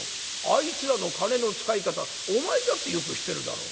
あいつらの金の使い方お前だってよく知ってるだろ。